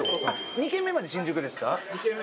２軒目まで新宿ですね。